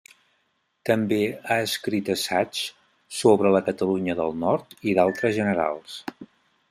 També ha escrit assaigs sobre la Catalunya del Nord i d'altres generals.